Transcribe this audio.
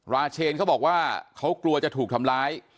ราเชนเขาบอกว่าเขากลัวจะถูกทำร้าย